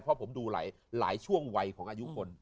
เพราะผมดูหลายช่วงวัยของอายุคน